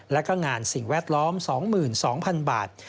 และก็งานสิ่งแวดล้อม๒๒๐๐๐บาท